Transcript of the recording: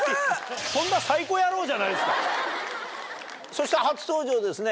そして初登場ですね